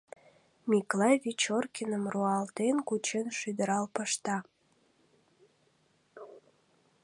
Миклай Вечоркиным руалтен кучен шӱдырал пышта.